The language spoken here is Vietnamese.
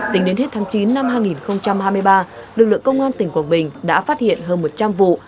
tính đến hết tháng chín năm hai nghìn hai mươi ba lực lượng công an tỉnh quảng bình đã phát hiện hơn một trăm linh vụ